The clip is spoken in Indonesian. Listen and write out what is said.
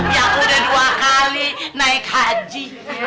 ya udah dua kali naik haji